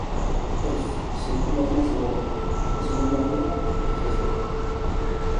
Ez, sekula ez naiz egon, ez modu batera ez bestera.